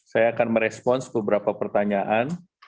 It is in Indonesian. saya akan merespons beberapa pertanyaan